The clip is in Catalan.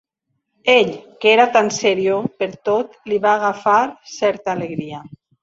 Ell, que era tan serio per tot, li va agafar certa alegria